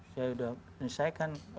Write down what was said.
saya sudah menyelesaikan